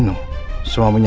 pertanyaannya pak nino